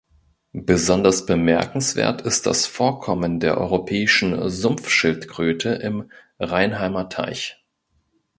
Besonders bemerkenswert ist das Vorkommen der Europäischen Sumpfschildkröte im Reinheimer Teich.